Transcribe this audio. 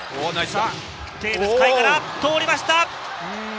テーブス海から通りました。